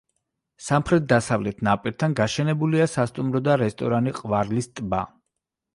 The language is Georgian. სამხრეთ-დასავლეთ ნაპირთან გაშენებულია სასტუმრო და რესტორანი „ყვარლის ტბა“.